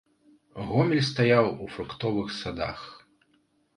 Гомель стаяў у фруктовых садах.